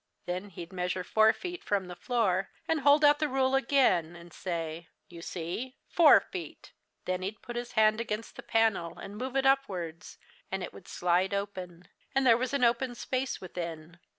Then he'd measure four feet from the floor, and hold out the rule again and say, 'You see, four feet.' Then he'd put his hand against the panel and move it upwards, and it would slide open and there was an open space within.